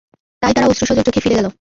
তাই তারা অশ্রুসজল চোখে ফিরে গেল।